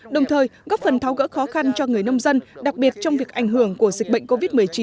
đồng thời góp phần tháo gỡ khó khăn cho người nông dân đặc biệt trong việc ảnh hưởng của dịch bệnh covid một mươi chín